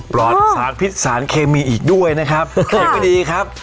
ปลอดสารพิษสารเคมีอีกด้วยนะครับยังไม่ดีครับ